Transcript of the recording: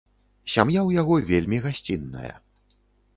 Сям'я ў яго вельмі гасцінная.